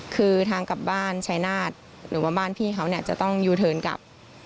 คือทางกลับบ้านชายนาฏหรือว่าบ้านพี่เขาเนี่ยจะต้องยูเทิร์นกลับ